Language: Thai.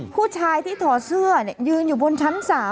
ผู้ชายที่ถอดเสื้อยืนอยู่บนชั้น๓